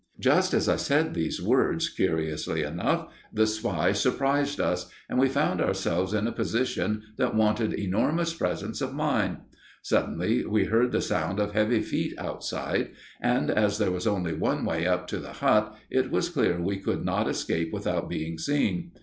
Just as I said these words, curiously enough, the spy surprised us, and we found ourselves in a position that wanted enormous presence of mind. Suddenly we heard the sound of heavy feet outside, and as there was only one way up to the hut, it was clear we could not escape without being seen.